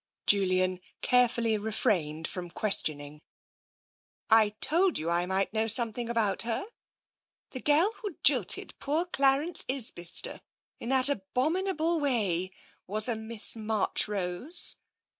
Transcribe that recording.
Julian carefully refrained from questioning. " I told you I might know something about her ! The girl who jilted poor Clarence Isbister in that abom inable way was a Miss Marchrose."